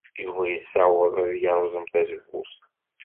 Yuba yessaweḍ ad yerẓem tazewwut.